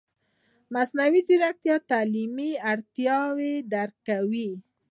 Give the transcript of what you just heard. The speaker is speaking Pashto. مصنوعي ځیرکتیا د تعلیمي اړتیاوو درک کوي.